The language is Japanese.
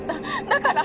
だから。